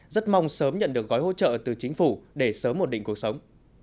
rất mong sớm nhận được gói hỗ trợ từ chính phủ để sớm một định cuộc sống